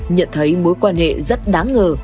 nhận thấy mối quan hệ rất đáng ngờ